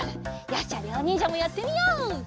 よしじゃありょうにんじゃもやってみよう！